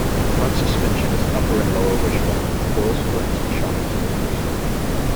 Front suspension is upper and lower wishbones with coil springs and shock absorbers.